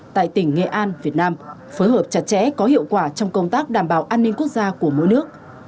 tại tỉnh nghệ an việt nam phối hợp chặt chẽ có hiệu quả trong công tác đảm bảo an ninh quốc gia của mỗi nước